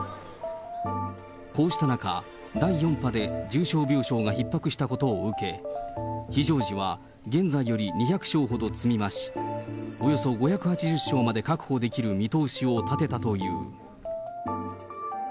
こうした中、第４波で重症病床がひっ迫したことを受け、非常時は現在より２００床ほど積み増し、およそ５８０床まで確保できる見通しを立てたという。